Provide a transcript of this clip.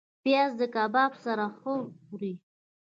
پیاز د کباب سره ښه خوري